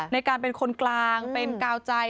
ในการเป็นคนกลางเป็นกาวใจ